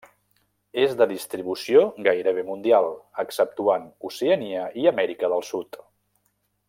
És de distribució gairebé mundial, exceptuant Oceania i Amèrica del Sud.